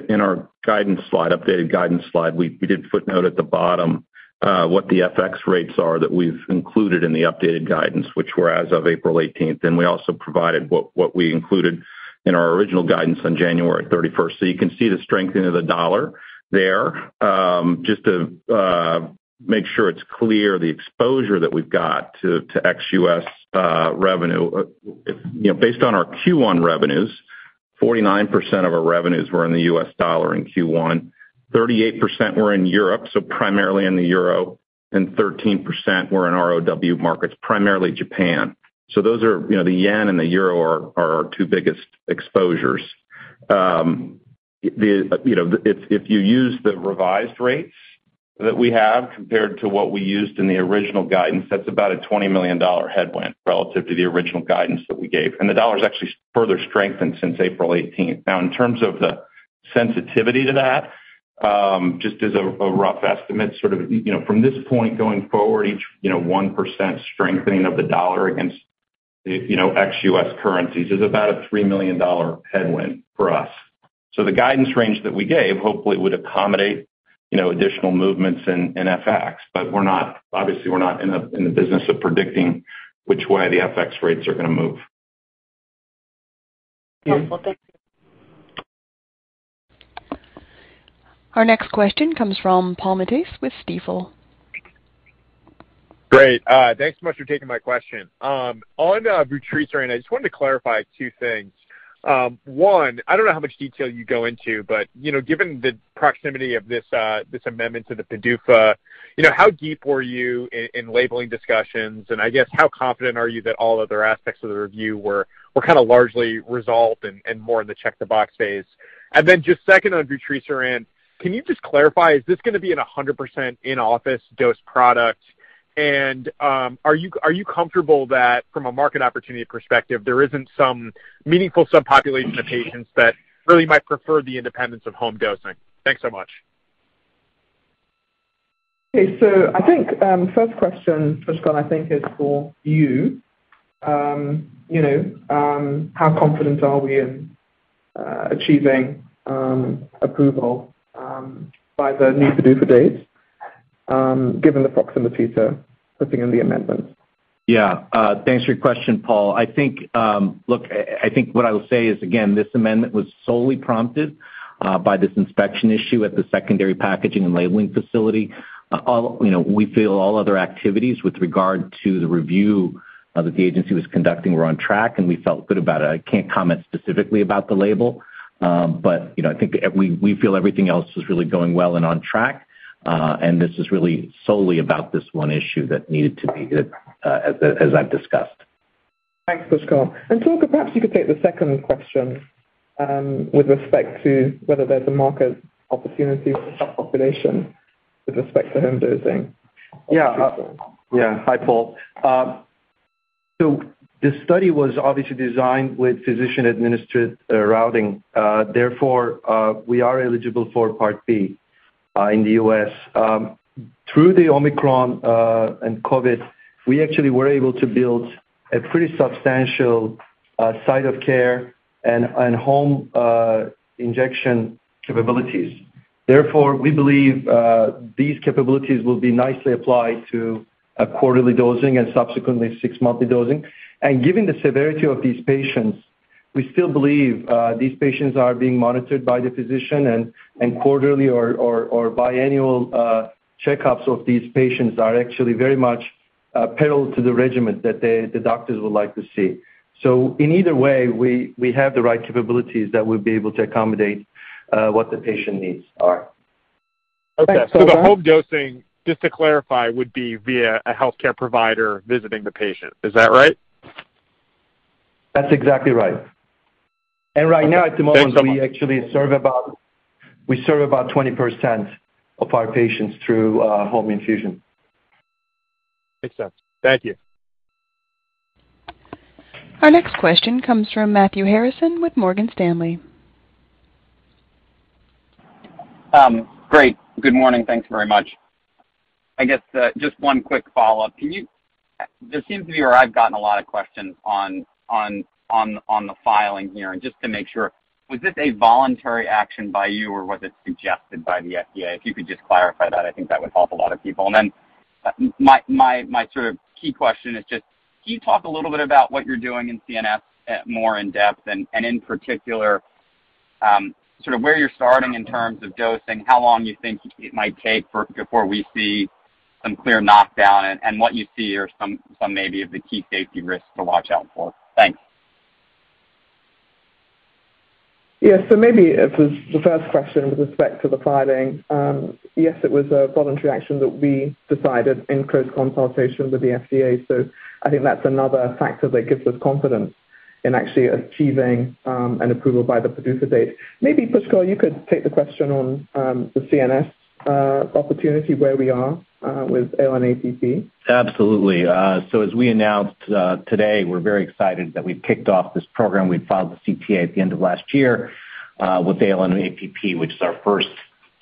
In our guidance slide, updated guidance slide, we did footnote at the bottom what the FX rates are that we've included in the updated guidance, which were as of April 18. We also provided what we included in our original guidance on January 31. You can see the strengthening of the dollar there. Just to make sure it's clear, the exposure that we've got to ex-US revenue, you know, based on our Q1 revenues, 49% of our revenues were in the US dollar in Q1, 38% were in Europe, so primarily in the euro, and 13% were in ROW markets, primarily Japan. Those are, you know, the yen and the euro are our two biggest exposures. You know, if you use the revised rates that we have compared to what we used in the original guidance, that's about a $20 million headwind relative to the original guidance that we gave. The dollar's actually further strengthened since April eighteenth. Now, in terms of the sensitivity to that, just as a rough estimate, sort of, you know, from this point going forward, each, you know, 1% strengthening of the dollar against, you know, ex-US currencies is about a $3 million headwind for us. The guidance range that we gave hopefully would accommodate, you know, additional movements in FX. We're not obviously, we're not in the business of predicting which way the FX rates are gonna move. Yeah. Well, thank you. Our next question comes from Paul Matteis with Stifel. Great. Thanks so much for taking my question. On vutrisiran, I just wanted to clarify two things. One, I don't know how much detail you go into, but you know, given the proximity of this amendment to the PDUFA, you know, how deep were you in labeling discussions? And I guess, how confident are you that all other aspects of the review were kinda largely resolved and more in the check the box phase? And then just second on vutrisiran, can you just clarify, is this gonna be 100% in-office dose product? And are you comfortable that from a market opportunity perspective, there isn't some meaningful subpopulation of patients that really might prefer the independence of home dosing? Thanks so much. Okay. I think first question, Pushkal, I think is for you. You know, how confident are we in achieving approval by the new PDUFA dates, given the proximity to putting in the amendments? Thanks for your question, Paul. I think, look, I think what I will say is, again, this amendment was solely prompted by this inspection issue at the secondary packaging and labeling facility. You know, we feel all other activities with regard to the review that the agency was conducting were on track, and we felt good about it. I can't comment specifically about the label. You know, I think we feel everything else is really going well and on track. This is really solely about this one issue that needed to be as I've discussed. Thanks, Pushkal. Tolga, perhaps you could take the second question, with respect to whether there's a market opportunity for subpopulation with respect to home dosing. Hi, Paul. So the study was obviously designed with physician-administered routine, therefore we are eligible for Part B in the US. Through the Omicron and COVID, we actually were able to build a pretty substantial site of care and home injection capabilities. Therefore, we believe these capabilities will be nicely applied to a quarterly dosing and subsequently six-monthly dosing. Given the severity of these patients, we still believe these patients are being monitored by the physician and quarterly or biannual checkups of these patients are actually very much pivotal to the regimen that the doctors would like to see. In either way, we have the right capabilities that we'll be able to accommodate what the patient needs are. Okay. The home dosing, just to clarify, would be via a healthcare provider visiting the patient. Is that right? That's exactly right. Right now at the moment. Thanks so much. We actually serve about 20% of our patients through home infusion. Makes sense. Thank you. Our next question comes from Matthew Harrison with Morgan Stanley. Great. Good morning. Thanks very much. I guess just one quick follow-up. There seems to be, or I've gotten a lot of questions on the filing here. Just to make sure, was this a voluntary action by you or was it suggested by the FDA? If you could just clarify that, I think that would help a lot of people. Then my sort of key question is just can you talk a little bit about what you're doing in CNS at more in-depth and in particular, sort of where you're starting in terms of dosing, how long you think it might take for before we see some clear knockdown and what you see are some maybe of the key safety risks to watch out for? Thanks. Yeah. Maybe if it's the first question with respect to the filing. Yes, it was a voluntary action that we decided in close consultation with the FDA. I think that's another factor that gives us confidence in actually achieving an approval by the PDUFA date. Maybe, Pushkal, you could take the question on the CNS opportunity where we are with ALN-APP. Absolutely. As we announced today, we're very excited that we've kicked off this program. We filed the CTA at the end of last year with ALN-APP, which is our first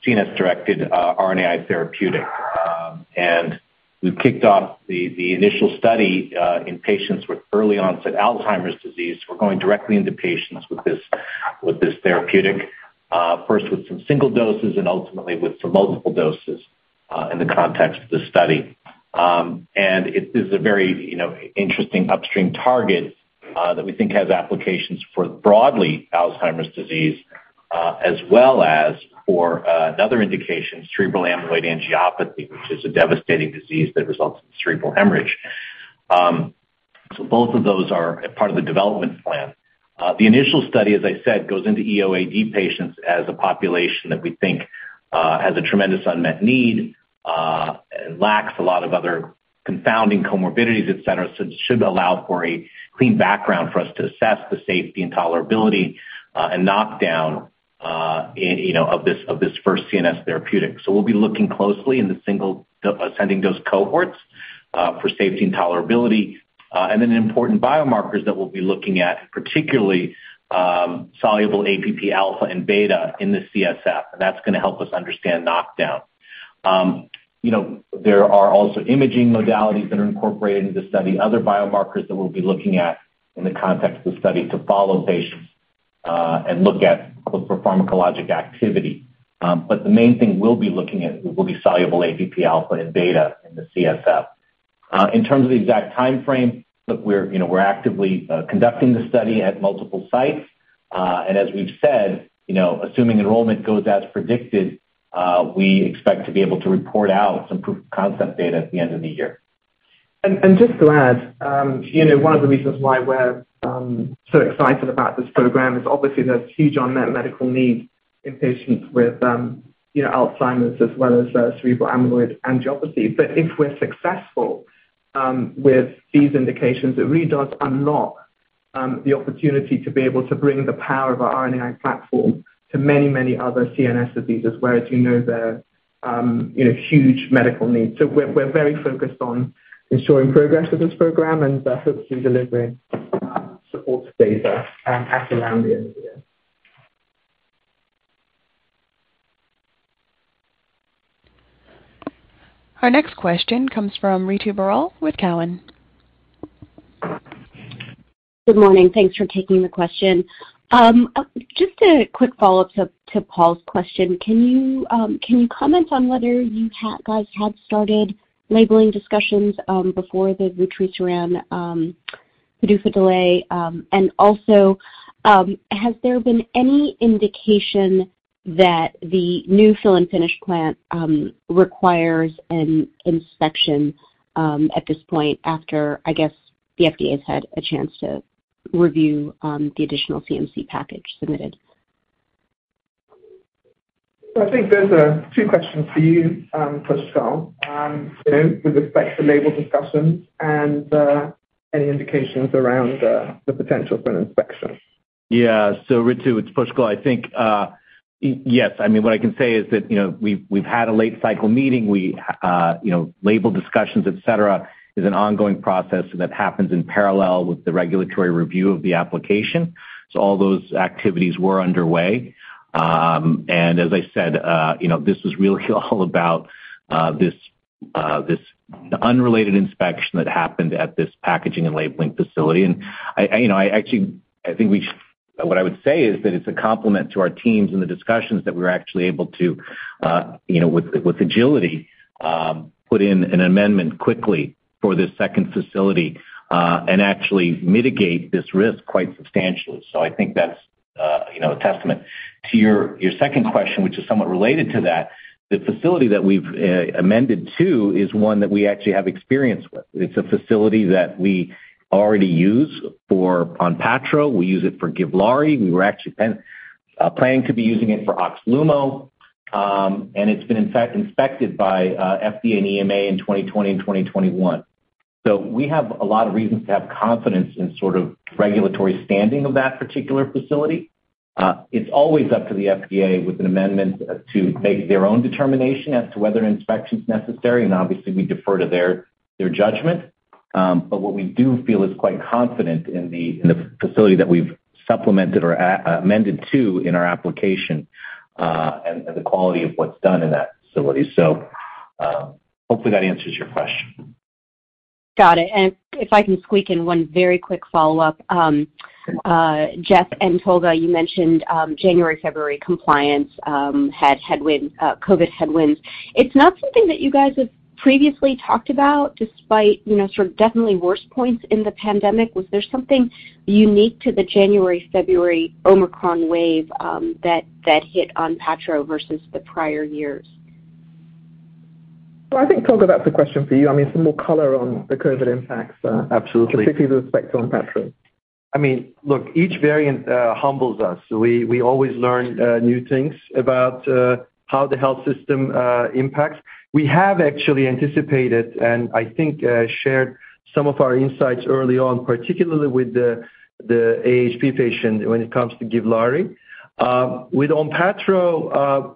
CNS-directed RNA therapeutic. We've kicked off the initial study in patients with early onset Alzheimer's disease. We're going directly into patients with this therapeutic first with some single-doses and ultimately with some multiple doses in the context of the study. It is a very, you know, interesting upstream target that we think has applications for broadly Alzheimer's disease as well as for another indication, cerebral amyloid angiopathy, which is a devastating disease that results in cerebral hemorrhage. Both of those are a part of the development plan. The initial study, as I said, goes into EOAD patients as a population that we think has a tremendous unmet need, lacks a lot of other confounding comorbidities, et cetera. It should allow for a clean background for us to assess the safety and tolerability, and knockdown, you know, of this, of this first CNS therapeutic. We'll be looking closely in the single-ascending dose cohorts for safety and tolerability, and then important biomarkers that we'll be looking at, particularly, soluble APP alpha and beta in the CSF, and that's gonna help us understand knockdown. You know, there are also imaging modalities that are incorporated into the study, other biomarkers that we'll be looking at in the context of the study to follow patients, and look at for pharmacologic activity. The main thing we'll be looking at will be soluble APP alpha and beta in the CSF. In terms of the exact timeframe, look, we're, you know, actively conducting the study at multiple sites. As we've said, you know, assuming enrollment goes as predicted, we expect to be able to report out some proof of concept data at the end of the year. Just to add, you know, one of the reasons why we're so excited about this program is obviously there's huge unmet medical need in patients with, you know, Alzheimer's as well as cerebral amyloid angiopathy. If we're successful with these indications, it really does unlock the opportunity to be able to bring the power of our RNA platform to many, many other CNS diseases, where, as you know, there are huge medical needs. We're very focused on ensuring progress with this program and hopefully delivering supportive data at around the end of the year. Our next question comes from Ritu Baral with Cowen. Good morning. Thanks for taking the question. Just a quick follow-up to Paul's question. Can you comment on whether you guys had started labeling discussions before the vutrisiran PDUFA delay? Also, has there been any indication that the new fill and finish plant requires an inspection at this point after, I guess, the FDA's had a chance to review the additional CMC package submitted? I think those are two questions for you, Pushkal, you know, with respect to label discussions and any indications around the potential for an inspection. Yeah. Ritu, it's Pushkal. I think, yes, I mean, what I can say is that, you know, we've had a late cycle meeting. We, you know, label discussions, et cetera, is an ongoing process that happens in parallel with the regulatory review of the application. All those activities were underway. As I said, you know, this is really all about this unrelated inspection that happened at this packaging and labeling facility. I, you know, actually, what I would say is that it's a compliment to our teams in the discussions that we're actually able to, you know, with agility, put in an amendment quickly for this second facility, and actually mitigate this risk quite substantially. I think that's, you know, a testament. To your second question, which is somewhat related to that, the facility that we've amended to is one that we actually have experience with. It's a facility that we already use it for ONPATTRO. We use it for GIVLAARI. We were actually planning to be using it for OXLUMO. It's been in fact inspected by FDA and EMA in 2020 and 2021. We have a lot of reasons to have confidence in sort of regulatory standing of that particular facility. It's always up to the FDA with an amendment to make their own determination as to whether an inspection's necessary, and obviously, we defer to their judgment. What we do feel is quite confident in the facility that we've supplemented or amended to in our application, and the quality of what's done in that facility. Hopefully that answers your question. Got it. If I can squeak in one very quick follow-up. Sure. Jeff Poulton and Tolga Tanguler, you mentioned January, February compliance had COVID headwinds. It's not something that you guys have previously talked about despite, you know, sort of definitely worse points in the pandemic. Was there something unique to the January, February Omicron wave that hit ONPATTRO versus the prior years? I think, Tolga, that's a question for you. I mean, some more color on the COVID impacts. Absolutely. Particularly with respect to ONPATTRO. I mean, look, each variant humbles us. We always learn new things about how the health system impacts. We have actually anticipated and I think shared some of our insights early on, particularly with the AHP patient when it comes to GIVLAARI. With ONPATTRO,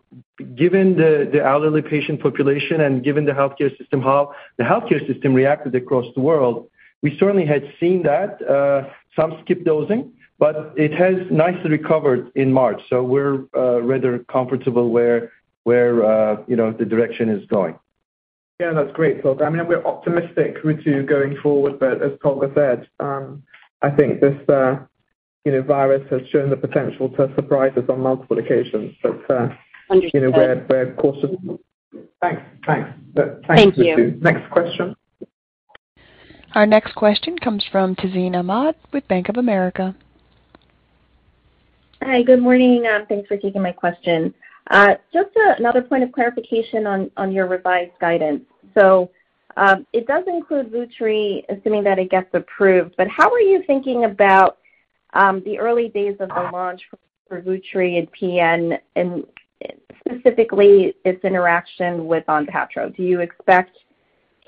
given the elderly patient population and given the healthcare system, how the healthcare system reacted across the world, we certainly had seen that some skip dosing, but it has nicely recovered in March. We're rather comfortable where you know the direction is going. Yeah, that's great, Tolga. I mean, we're optimistic with you going forward, but as Tolga said, I think this, you know, virus has shown the potential to surprise us on multiple occasions. Understood. You know, we're cautious. Thanks, Lucy. Thank you. Next question. Our next question comes from Tazeen Ahmad with Bank of America. Hi, good morning. Thanks for taking my question. Just another point of clarification on your revised guidance. It does include vutrisiran assuming that it gets approved, but how are you thinking about the early days of the launch for vutrisiran and PN and specifically its interaction with ONPATTRO? Do you expect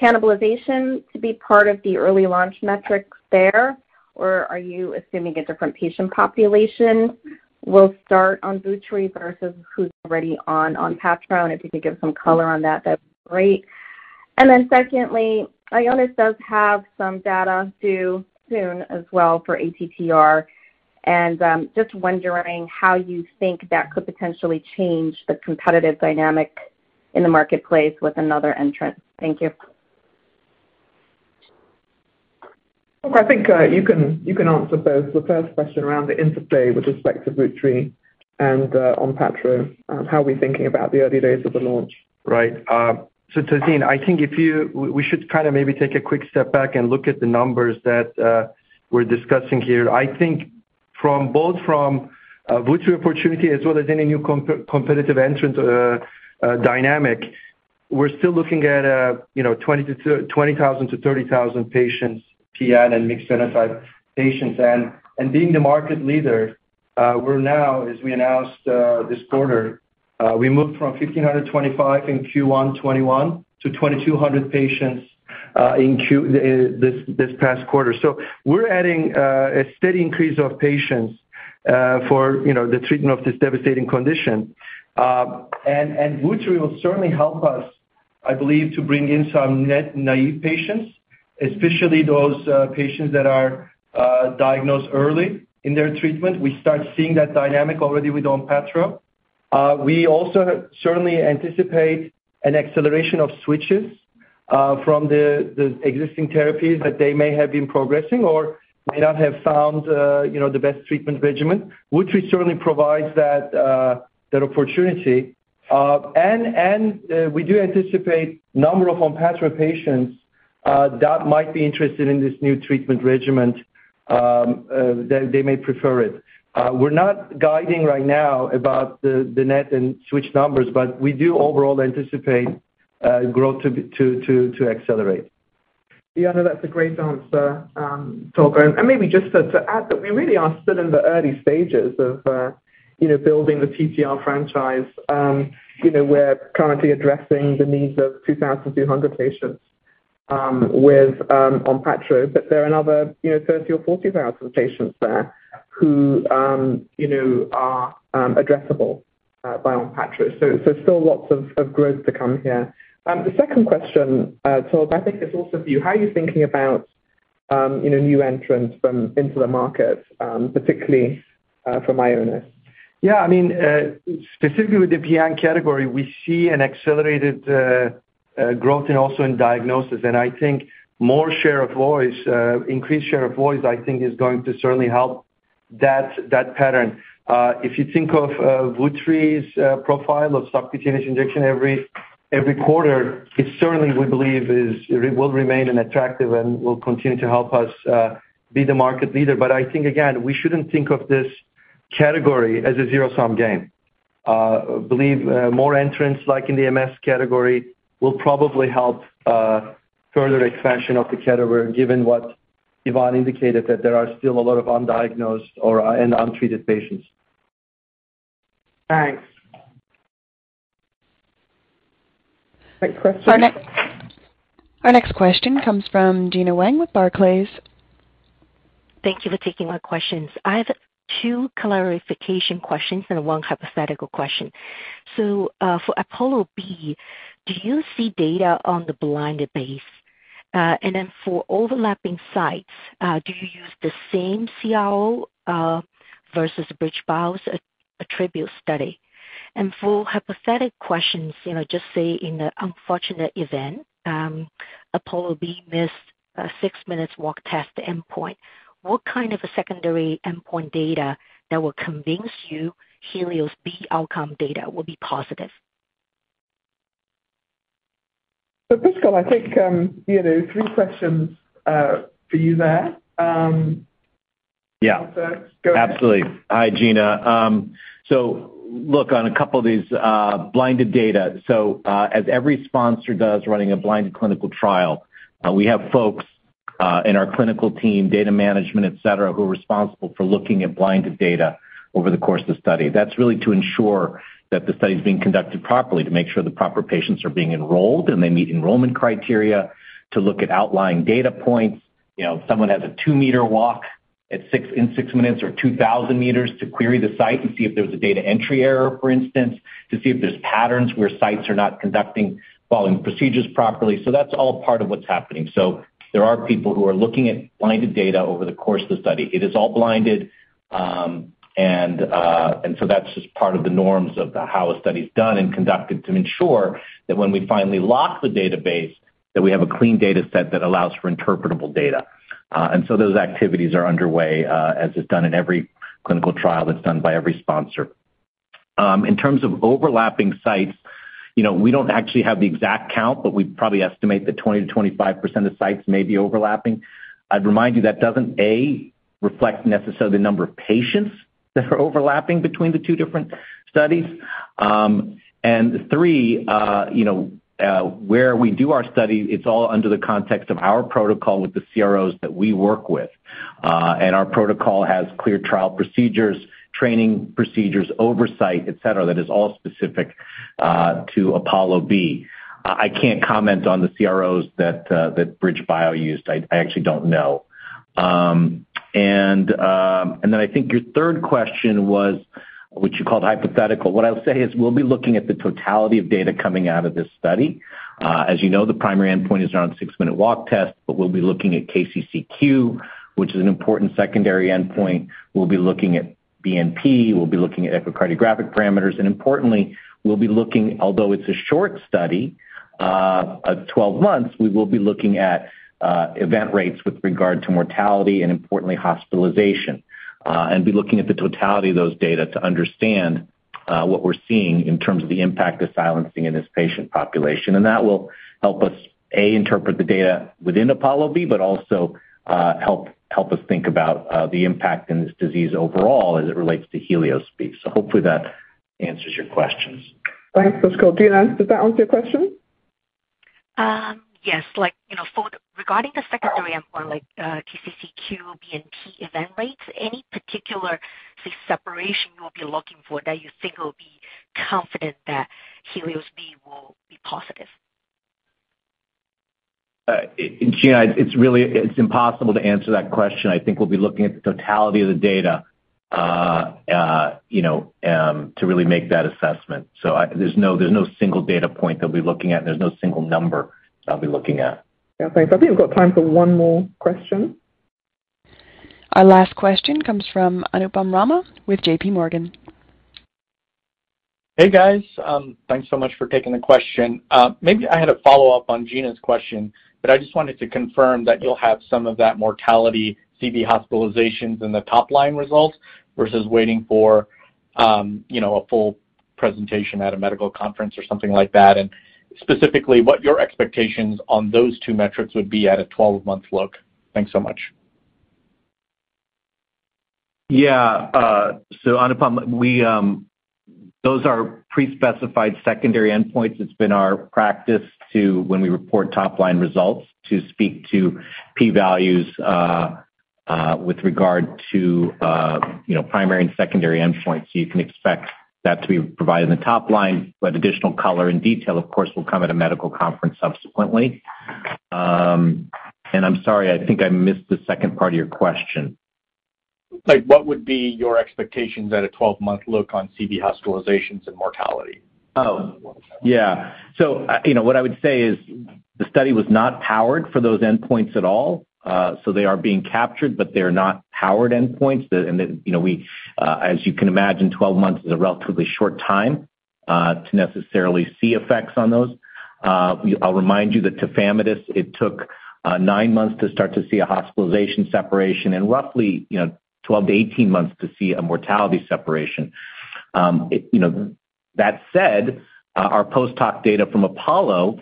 cannibalization to be part of the early launch metrics there, or are you assuming a different patient population will start on vutrisiran versus who's already on ONPATTRO? If you could give some color on that'd be great. Secondly, Ionis does have some data due soon as well for ATTR. Just wondering how you think that could potentially change the competitive dynamic in the marketplace with another entrant. Thank you. I think you can answer both. The first question around the interplay with respect to vutrisiran and ONPATTRO, how are we thinking about the early days of the launch? Right. So Tazeen, I think we should kind of maybe take a quick step back and look at the numbers that we're discussing here. I think from both vutrisiran opportunity as well as any new competitive entrant dynamic, we're still looking at 20,000 to 30,000 patients, PN and mixed phenotype patients. Being the market leader, we're now, as we announced this quarter, we moved from 1,525 in Q1 2021 to 2,200 patients in this past quarter. We're adding a steady increase of patients for the treatment of this devastating condition. Vutrisiran will certainly help us, I believe, to bring in some treatment-naïve patients, especially those patients that are diagnosed early in their treatment. We start seeing that dynamic already with ONPATTRO. We also certainly anticipate an acceleration of switches from the existing therapies that they may have been progressing or may not have found you know, the best treatment regimen, which we certainly provide that opportunity. We do anticipate number of ONPATTRO patients that might be interested in this new treatment regimen, they may prefer it. We're not guiding right now about the net and switch numbers, but we do overall anticipate growth to accelerate. Yeah. No, that's a great answer, Tolga. Maybe just to add that we really are still in the early stages of, you know, building the TTR franchise. You know, we're currently addressing the needs of 2,200 patients with ONPATTRO, but there are another, you know, 30,000 or 40,000 patients there who, you know, are addressable by ONPATTRO. So still lots of growth to come here. The second question, Tolga, I think is also for you. How are you thinking about, you know, new entrants into the market, particularly, from Ionis? Yeah. I mean, specifically with the PN category, we see an accelerated growth and also in diagnosis. I think increased share of voice is going to certainly help that pattern. If you think of vutrisiran's profile of subcutaneous injection every quarter, it certainly, we believe, will remain an attractive and will continue to help us be the market leader. I think again, we shouldn't think of this category as a zero-sum game. I believe more entrants like in the MS category will probably help further expansion of the category, given what Yvonne Greenstreet indicated, that there are still a lot of undiagnosed and untreated patients. Thanks. Great question. Our next question comes from Gena Wang with Barclays. Thank you for taking my questions. I have 2 clarification questions and 1 hypothetical question. For APOLLO-B, do you see data on the blinded basis? For overlapping sites, do you use the same CRO versus BridgeBio's ATTRibute study? For hypothetical questions, just say in the unfortunate event APOLLO-B missed 6-minute walk test endpoint, what kind of a secondary endpoint data that will convince you HELIOS-B outcome data will be positive? Pushkal Garg, I think, you know, three questions, for you there. Yeah. Go ahead. Absolutely. Hi, Gena. Look, on a couple of these, blinded data. As every sponsor does running a blind clinical trial, we have folks in our clinical team, data management, et cetera, who are responsible for looking at blinded data over the course of study. That's really to ensure that the study is being conducted properly, to make sure the proper patients are being enrolled, and they meet enrollment criteria to look at outlying data points. You know, if someone has a 2-meter walk in 6 minutes or 2,000 meters to query the site and see if there was a data entry error, for instance, to see if there's patterns where sites are not following procedures properly. That's all part of what's happening. There are people who are looking at blinded data over the course of the study. It is all blinded, and that's just part of the norms of how a study is done and conducted to ensure that when we finally lock the database, that we have a clean data set that allows for interpretable data. Those activities are underway, as is done in every clinical trial that's done by every sponsor. In terms of overlapping sites, you know, we don't actually have the exact count, but we probably estimate that 20%-25% of sites may be overlapping. I'd remind you that doesn't, A, reflect necessarily the number of patients that are overlapping between the two different studies. B, you know, where we do our study, it's all under the context of our protocol with the CROs that we work with. Our protocol has clear trial procedures, training procedures, oversight, et cetera. That is all specific to APOLLO-B. I can't comment on the CROs that BridgeBio used. I actually don't know. I think your third question was what you called hypothetical. What I'll say is we'll be looking at the totality of data coming out of this study. As you know, the primary endpoint is around 6-minute walk test, but we'll be looking at KCCQ, which is an important secondary endpoint. We'll be looking at BNP. We'll be looking at echocardiographic parameters. Importantly, we'll be looking, although it's a short-study, at 12 months, at event rates with regard to mortality and importantly, hospitalization. Be looking at the totality of those data to understand what we're seeing in terms of the impact of silencing in this patient population. That will help us, A, interpret the data within APOLLO-B, but also help us think about the impact in this disease overall as it relates to HELIOS-B. Hopefully that answers your questions. Thanks, Pushkal Garg. Gena, does that answer your question? Yes. Like, you know, regarding the secondary endpoint, like, KCCQ, BNP event rates, any particular, say, separation you'll be looking for that you think will be confident that HELIOS-B will be positive? Gena, it's impossible to answer that question. I think we'll be looking at the totality of the data, you know, to really make that assessment. There's no single data-point that we'll be looking at. There's no single number I'll be looking at. Yeah, thanks. I think we've got time for one more question. Our last question comes from Anupam Rama with JP Morgan. Hey, guys. Thanks so much for taking the question. Maybe I had a follow-up on Gena's question, but I just wanted to confirm that you'll have some of that mortality CV hospitalizations in the top-line results versus waiting for, you know, a full presentation at a medical conference or something like that. Specifically, what your expectations on those two metrics would be at a 12-month look. Thanks so much. Yeah, Anupam, we, those are pre-specified secondary endpoints. It's been our practice to, when we report top-line results, to speak to P values with regard to, you know, primary and secondary endpoints. You can expect that to be provided in the top-line. Additional color and detail, of course, will come at a medical conference subsequently. I'm sorry, I think I missed the second part of your question. Like, what would be your expectations at a 12-month look on CV hospitalizations and mortality? Oh, yeah. You know, what I would say is the study was not powered for those endpoints at all. They are being captured, but they're not powered endpoints. You know, as you can imagine, 12 months is a relatively short time to necessarily see effects on those. I'll remind you that tafamidis, it took 9 months to start to see a hospitalization separation and roughly, you know, 12-18 months to see a mortality separation. It, you know, that said, our post-hoc data from APOLLO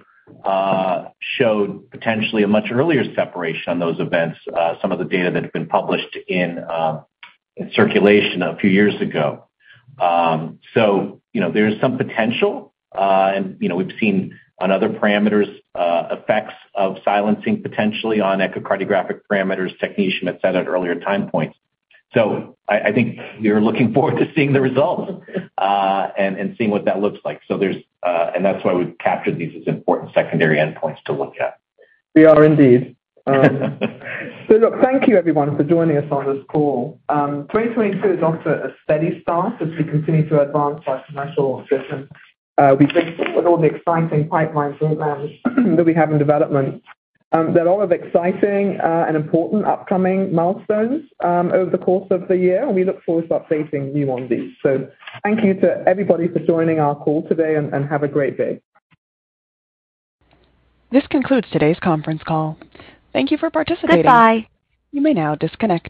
showed potentially a much earlier separation on those events, some of the data that have been published in Circulation a few years ago. you know, there's some potential, and, you know, we've seen on other parameters, effects of silencing potentially on echocardiographic parameters, technician, et cetera, at earlier time points. I think we are looking forward to seeing the results, and seeing what that looks like. there's, and that's why we've captured these as important secondary endpoints to look at. We are indeed. Look, thank you everyone for joining us on this call. 2022 is off to a steady start as we continue to advance our commercial system. With all the exciting pipelines and plans that we have in development, there are a lot of exciting and important upcoming milestones over the course of the year, and we look forward to updating you on these. Thank you to everybody for joining our call today, and have a great day. This concludes today's Conference Call. Thank you for participating. Goodbye. You may now disconnect.